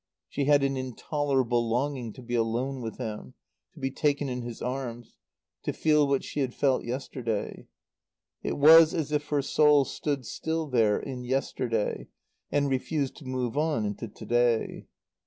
She had an intolerable longing to be alone with him, to be taken in his arms; to feel what she had felt yesterday. It was as if her soul stood still there, in yesterday, and refused to move on into to day.